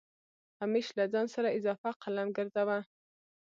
همېش له ځان سره اضافه قلم ګرځوه